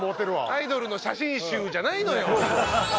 アイドルの写真集じゃないのよ。